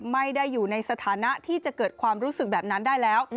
ไม่ได้อยู่ในสถานะที่จะเกิดความรู้สึกแบบนั้นได้แล้ว